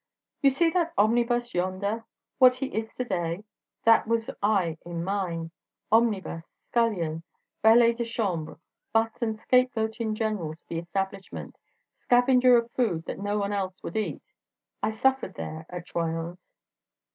"You see that omnibus yonder? What he is to day, that was I in mine—omnibus, scullion, valet de chambre, butt and scapegoat in general to the establishment, scavenger of food that no one else would eat.... I suffered there, at Troyon's."